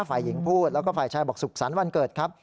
ฝ่ายหญิงพูดแล้วก็ฝ่ายชายบอกสุขสรรค์วันเกิดครับ